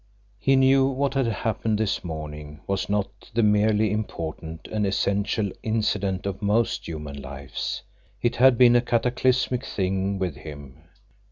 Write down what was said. He knew what had happened this morning was not the merely important and essential incident of most human lives; it had been a cataclysmic thing with him.